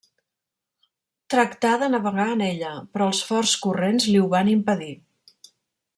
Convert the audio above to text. Tractà de navegar en ella, però els forts corrents li ho van impedir.